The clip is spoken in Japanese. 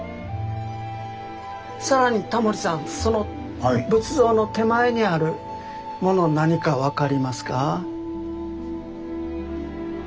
さらにタモリさんその仏像の手前にあるもの何か分かりますか？